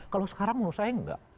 kalau sekarang menurut saya enggak